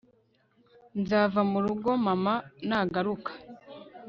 Nzava mu rugo mama nagaruka